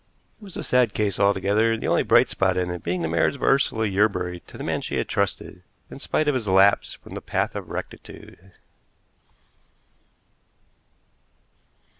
It was a sad case altogether, the only bright spot in it being the marriage of Ursula Yerbury to the man she had trusted, in spite of his lapse from the path of rectitude.